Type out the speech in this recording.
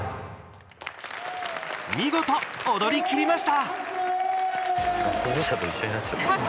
見事、踊りきりました。